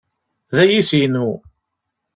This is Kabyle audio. D ayis-inu.